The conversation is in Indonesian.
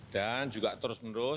dan juga terus menerus